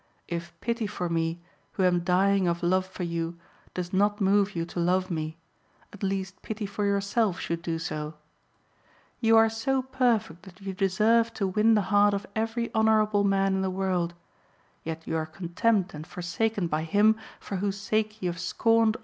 If pity for me, who am dying of love for you, does not move you to love me, at least pity for yourself should do so. You are so perfect that you deserve to win the heart of every honourable man in the world, yet you are contemned and forsaken by him for whose sake you have scorned all others."